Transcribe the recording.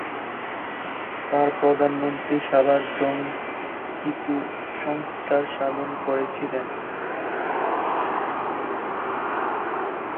তার প্রধানমন্ত্রী সালার জং কিছু সংস্কার সাধন করেছিলেন।